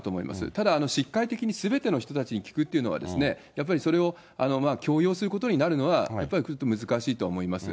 ただ、しっかい的にすべての人たちに聞くというのはですね、やっぱりそれを強要することになるのは、やっぱりちょっと難しいとは思います。